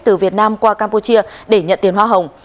từ việt nam qua campuchia để nhận tiền hoa hồng